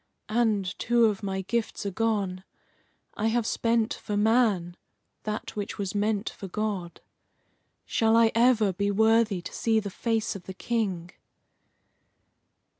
And two of my gifts are gone. I have spent for man that which was meant for God. Shall I ever be worthy to see the face of the King?"